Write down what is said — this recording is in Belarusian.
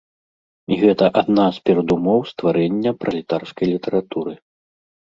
І гэта адна з перадумоў стварэння пралетарскай літаратуры.